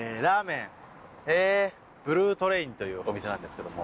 ブルートレインというお店なんですけども。